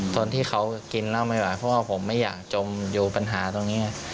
ตอนที่เขากินเหล้าไม่ไหวเพราะว่าผมไม่อยากจมอยู่ปัญหาตรงนี้